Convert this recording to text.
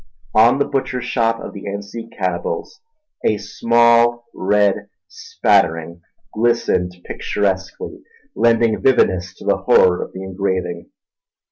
On the butcher's shop of the Anzique cannibals a small red spattering glistened picturesquely, lending vividness to the horror of the engraving.